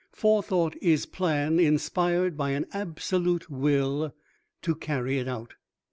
"Forethought is plan inspired by an absolute Will to carry it out."